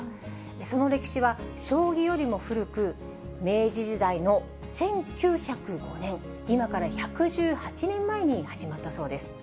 その歴史は将棋よりも古く、明治時代の１９０５年、今から１１８年前に始まったそうです。